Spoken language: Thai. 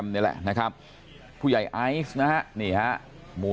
ผมไม่ได้ไปมาสู่